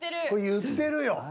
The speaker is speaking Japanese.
これ言ってるよ。